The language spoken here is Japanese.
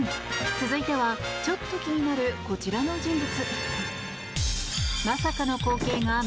続いては、ちょっと気になるこちらの人物。